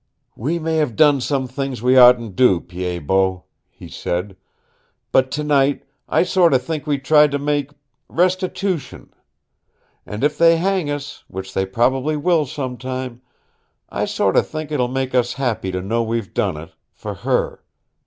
"We may have done some things we oughtn't to, Pied Bot," he said, "but tonight I sort o' think we've tried to make restitution. And if they hang us, which they probably will some time, I sort o' think it'll make us happy to know we've done it for her.